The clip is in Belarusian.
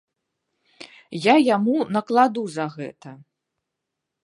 Я яму накладу за гэта.